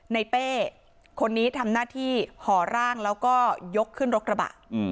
เป้คนนี้ทำหน้าที่ห่อร่างแล้วก็ยกขึ้นรถกระบะ